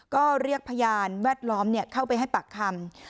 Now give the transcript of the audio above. ก็เรียกพยานแวดล้อมเข้าไปให้ปากคำ